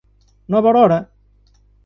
Nova Aurora